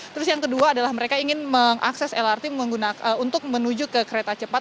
terus yang kedua adalah mereka ingin mengakses lrt untuk menuju ke kereta cepat